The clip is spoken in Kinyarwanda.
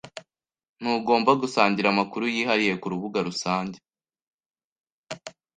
Ntugomba gusangira amakuru yihariye kurubuga rusange.